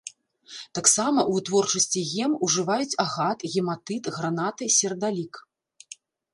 Таксама ў вытворчасці гем ужываюць агат, гематыт, гранаты, сердалік.